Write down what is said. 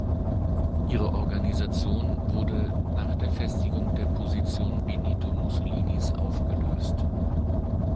Ihre Organisation wurde nach der Festigung der Position Benito Mussolinis aufgelöst.